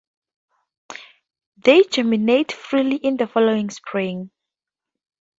They germinate freely in the following spring.